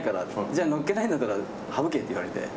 じゃあのっけないんだったら省けって言われて。